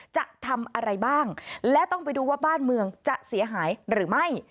จะทำอะไรบ้างและต้องไปดูว่าบ้านเมืองจะเสียหายหรือไม่